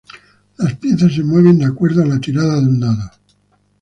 Las piezas se mueven de acuerdo a la tirada de un dado.